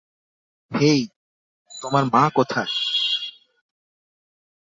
হেই, তোমার মা কোথায়?